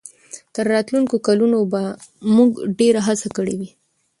تر راتلونکو کلونو به موږ ډېره هڅه کړې وي.